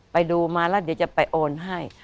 ไปดูมาแล้วเดี๋ยวจะไปโอนให้